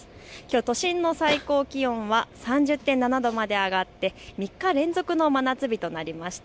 都心の最高気温が３０．７度まで上がって３日連続の真夏日となりました。